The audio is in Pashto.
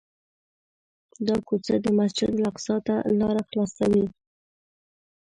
دا کوڅه مسجدالاقصی ته لاره خلاصوي.